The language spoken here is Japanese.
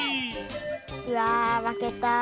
うわまけた。